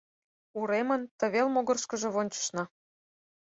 Уремын тывел могырышкыжо вончышна.